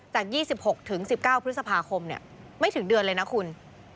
จาก๒๖๑๙พฤษภาคมไม่ถึงเดือนเลยนะคุณ